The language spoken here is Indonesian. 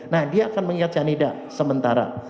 nah dia akan mengingat cyanida sementara